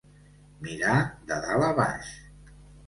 Mirar de dalt a baix.